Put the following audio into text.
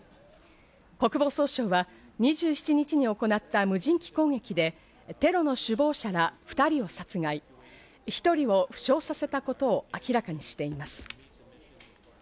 国防総省は２７日に行った無人機攻撃でテロの首謀者ら２人を殺害、１人を負傷させたことを明らかにしています。